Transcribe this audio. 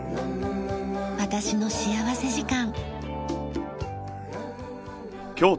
『私の幸福時間』。